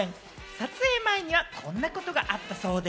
撮影前にはこんなことがあったそうで。